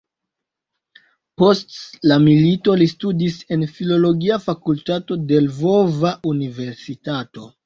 Post la milito li studis en filologia fakultato de Lvova universitato.